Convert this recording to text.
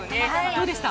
どうでした？